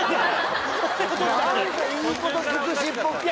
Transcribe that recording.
何かいいこと尽くしっぽくてさ。